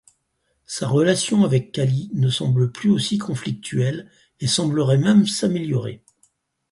Sa relation avec Callie ne semble plus aussi conflictuelle et semblerait même s'améliorer.